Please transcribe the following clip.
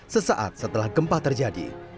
sesaat setelah gempa terjadi